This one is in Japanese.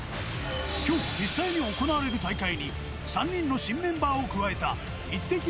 きょう、実際に行われる大会に、３人の新メンバーを加えたイッテＱ！